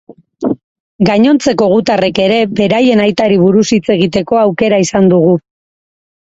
Gainontzeko gutarrek ere beraien aitari buruz hitz egiteko aukera izan dugu.